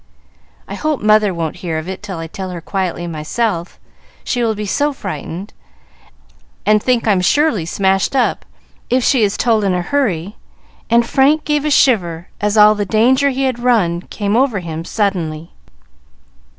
"I hope mother won't hear of it till I tell her quietly myself. She will be so frightened, and think I'm surely smashed up, if she is told in a hurry;" and Frank gave a shiver, as all the danger he had run came over him suddenly.